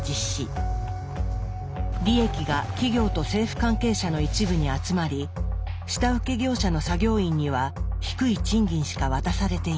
利益が企業と政府関係者の一部に集まり下請け業者の作業員には低い賃金しか渡されていない。